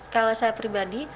kalau saya pribadi